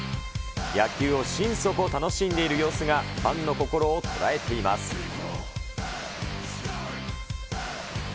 野球を心底楽しんでいる様子が、ファンの心を捉えています。